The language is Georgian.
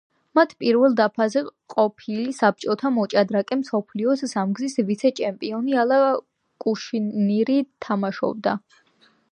მათ პირველ დაფაზე, ყოფილი საბჭოთა მოჭადრაკე, მსოფლიოს სამგზის ვიცე-ჩემპიონი, ალა კუშნირი თამაშობდა.